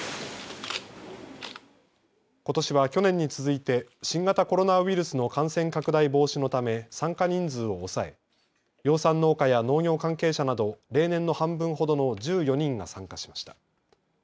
ことしは去年に続いて新型コロナウイルスの感染拡大防止のため参加人数を抑え養蚕農家や農業関係者など例年の半分ほどの１４人が参加しました。